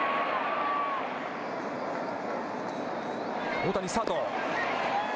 大谷、スタート。